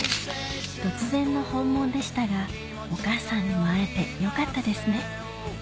突然の訪問でしたがお母さんにも会えてよかったですね